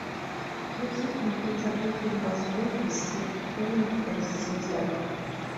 "Little Computer People" was well received, earning a Zzap!